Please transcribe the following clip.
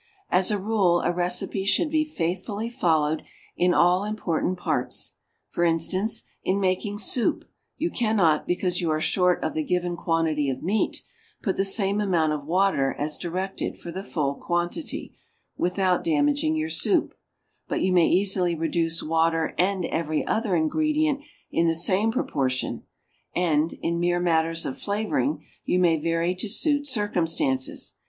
As a rule, a recipe should be faithfully followed in all important points; for instance, in making soup you cannot because you are short of the given quantity of meat, put the same amount of water as directed for the full quantity, without damaging your soup; but you may easily reduce water and every other ingredient in the same proportion; and, in mere matters of flavoring, you may vary to suit circumstances.